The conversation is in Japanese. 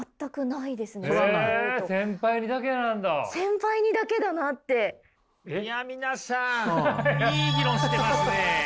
いや皆さんいい議論してますね。